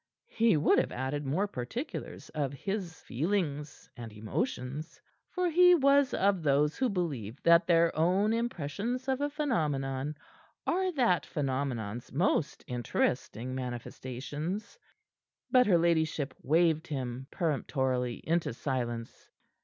He would have added more particulars of his feelings and emotions for he was of those who believe that their own impressions of a phenomenon are that phenomenon's most interesting manifestations but her ladyship waved him peremptorily into silence.